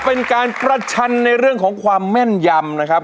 เป็นการประชันในเรื่องของความแม่นยำนะครับ